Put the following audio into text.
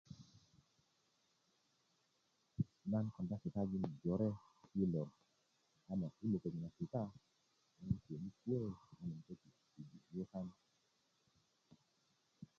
nan konda kitajin jore i lor ama i mukak na kita a nan kuwäni kuwá a nan puji yukan